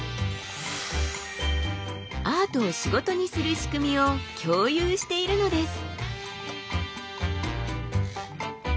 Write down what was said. アートを仕事にする仕組みを共有しているのです。